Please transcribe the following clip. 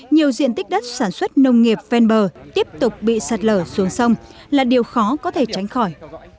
nhiều diện tích đất sản xuất nông nghiệp ven bờ tiếp tục bị sạt lở xuống sông là điều khó có thể tránh khỏi